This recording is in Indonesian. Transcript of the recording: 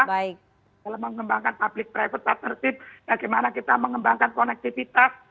dalam mengembangkan public private partnership bagaimana kita mengembangkan konektivitas